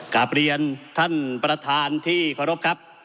กับบริยัลท่านประธานที่ขอรบครับ